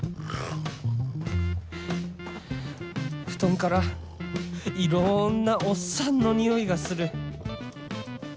布団からいろんなおっさんのにおいがする